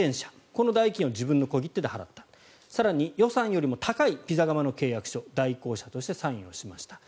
この代金を自分の小切手で払った更に予算よりも高いピザ窯の契約書を代行者としてサインをしました。